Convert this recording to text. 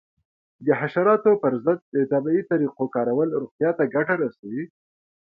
د حشراتو پر ضد د طبیعي طریقو کارول روغتیا ته ګټه رسوي.